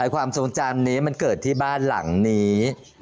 ความทรงจำนี้มันเกิดที่บ้านหลังนี้